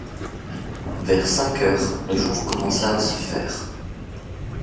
Vers cinq heures, le jour commença à se faire.